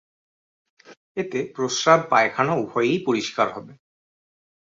এতে প্রস্রাব-পায়খানা উভয়ই পরিষ্কার হবে।